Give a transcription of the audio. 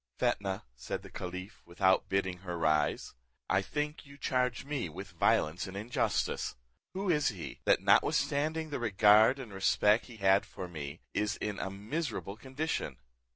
"Fetnah," said the caliph, without bidding her rise, "I think you charge me with violence and injustice. Who is he, that, notwithstanding the regard and respell he had for me, is in a miserable condition?